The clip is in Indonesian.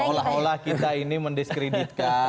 seolah olah kita ini mendiskreditkan